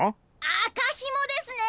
アカひもですね！